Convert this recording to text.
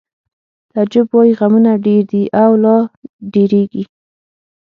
تعجب وایی غمونه ډېر دي او لا ډېرېږي